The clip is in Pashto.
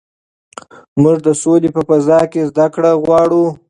موږ د سولې په فضا کې زده کړه غواړو.